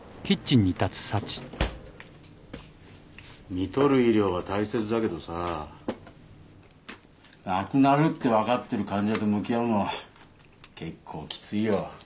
みとる医療は大切だけどさ亡くなるって分かってる患者と向き合うのは結構きついよ。